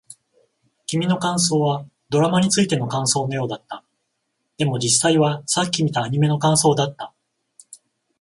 君の感想はドラマについての感想のようだった。でも、実際はさっき見たアニメの感想だった。